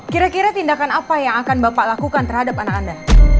kira kira tindakan apa yang akan bapak lakukan terhadap anak anda